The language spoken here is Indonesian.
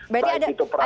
berarti ada kemungkinan